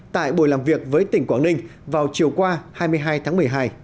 tại buổi làm việc với tỉnh quảng ninh vào chiều qua hai mươi hai tháng một mươi hai